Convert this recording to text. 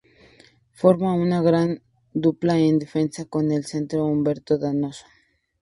Formó una gran dupla en defensa con el central Humberto Donoso.